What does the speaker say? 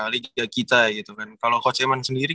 liga kita gitu kan kalo coach eman sendiri